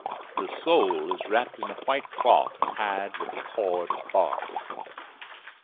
The soul is wrapped in a white cloth tied with a cord of bark.